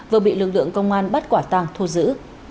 vừa bị lực lượng công an bắt quả tàng thua giữ